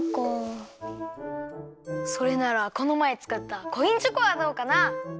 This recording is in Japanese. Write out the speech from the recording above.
それならこのまえつくったコインチョコはどうかな？